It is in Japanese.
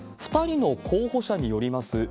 ２人の候補者によります